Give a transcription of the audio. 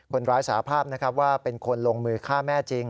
คนร้ายสาภาพนะครับว่าเป็นคนลงมือฆ่าแม่จริง